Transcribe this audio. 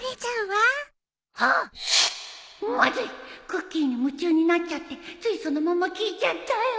クッキーに夢中になっちゃってついそのまま聞いちゃったよ